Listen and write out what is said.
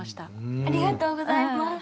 ありがとうございます。